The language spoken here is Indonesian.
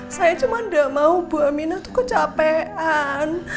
saya cuma gak mau bu aminah tuh kecapean